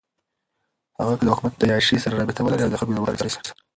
هغــه كه دحــكومت دعيــاشۍ سره رابطه ولري اويا دخلـــكو دبدكارۍ سره.